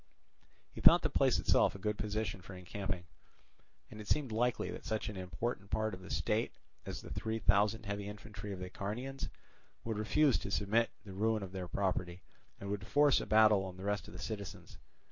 He thought the place itself a good position for encamping; and it seemed likely that such an important part of the state as the three thousand heavy infantry of the Acharnians would refuse to submit to the ruin of their property, and would force a battle on the rest of the citizens.